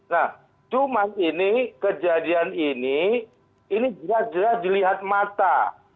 nah cuma ini kejadian ini ini jelas jelas dilihat mata